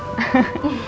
dia bakalan disini